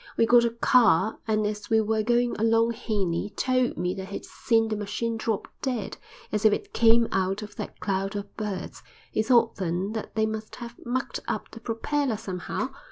We got a car and as we were going along Henley told me that he'd seen the machine drop dead, as if it came out of that cloud of birds. He thought then that they must have mucked up the propeller somehow.